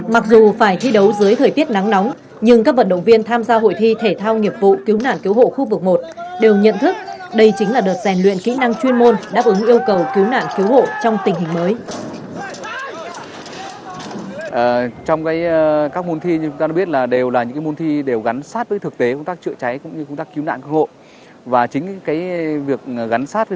mặc dù phải thi đấu dưới thời tiết nắng nóng nhưng các vận động viên tham gia hội thi thể thao nghiệp vụ cứu nạn cứu hộ khu vực một đều nhận thức đây chính là đợt rèn luyện kỹ năng chuyên môn đáp ứng yêu cầu cứu nạn cứu hộ trong tình hình mới